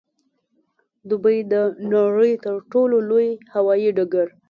دوبۍ د نړۍ د تر ټولو لوی هوايي ډګر